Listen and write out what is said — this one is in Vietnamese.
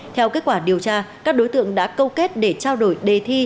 theo kết quả điều tra các đối tượng đã câu kết để trao đổi đề thi